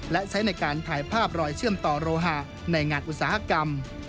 และใช้ในการถ่ายภาพรอยเชื่อมต่อโรหะในงานอุตสาหกรรม